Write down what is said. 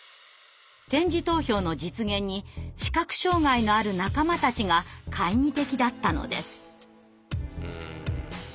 点字投票の実現に視覚障害のある仲間たちが懐疑的だったのです。